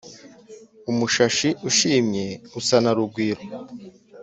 umushashi ushimye usa na rugwiro.